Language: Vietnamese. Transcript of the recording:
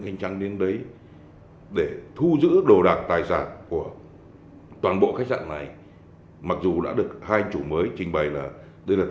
khánh lấy lý do